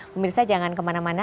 pemirsa jangan kemana mana